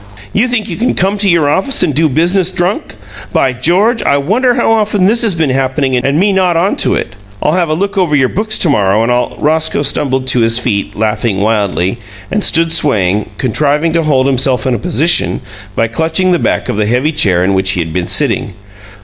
You think you can come to your office and do business drunk? By George! I wonder how often this has been happening and me not on to it! I'll have a look over your books to morrow, and I'll " Roscoe stumbled to his feet, laughing wildly, and stood swaying, contriving to hold himself in position by clutching the back of the heavy chair in which he had been sitting.